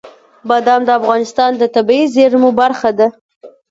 بادام د افغانستان د طبیعي زیرمو برخه ده.